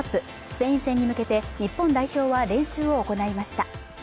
スペイン戦に向けて日本代表は練習を行いました